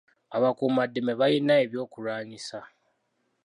Abakuumaddembe balina eby'okulwanisa.